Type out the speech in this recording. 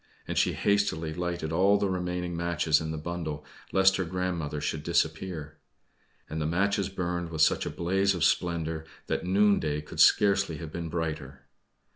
And she hastily lighted all the remaining matches in the bundle, lest her grandmother should disappear. And the matches burned with such a blaze of splendor, that noonday could scarcely have been brighter.